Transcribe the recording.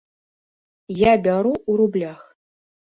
Я бяру ў рублях.